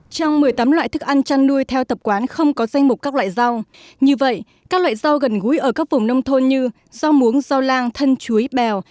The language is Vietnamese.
trong một mươi tám loại thức ăn chăn nuôi theo tập quán không có danh mục các loại rau như vậy các loại rau gần gúi ở các vùng nông thôn như rau muống rau lang thân chuối bèo